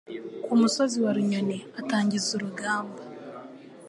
ku musozi wa Runyoni atangiza urugamba